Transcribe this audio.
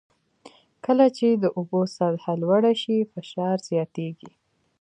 کله چې د اوبو سطحه لوړه شي فشار زیاتېږي.